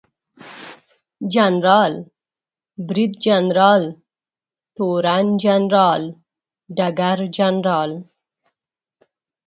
جنرال، بریدجنرال، تورن جنرال ، ډګرجنرال